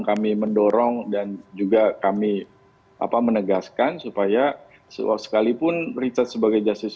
kami mendorong dan juga kami apa menegaskan supaya seolah sekalipun berita sebagai jasus